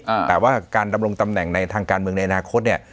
อ่าแต่ว่าการดำรงตำแหน่งในทางการเมืองในอนาคตเนี้ย